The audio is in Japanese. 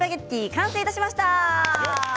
完成いたしました。